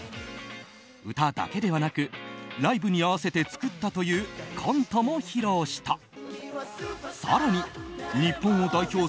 歌だけではなくライブに合わせて作ったというコントも披露した。